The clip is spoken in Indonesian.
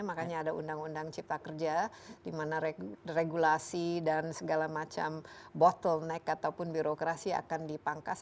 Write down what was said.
makanya ada undang undang cipta kerja di mana regulasi dan segala macam bottleneck ataupun birokrasi akan dipangkas